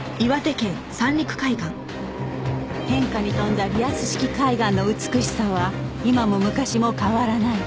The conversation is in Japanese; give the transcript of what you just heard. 変化に富んだリアス式海岸の美しさは今も昔も変わらない